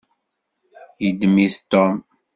Yeddem-it Tom.